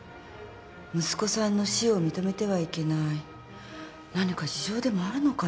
息子さんの死を認めてはいけない何か事情でもあるのかな？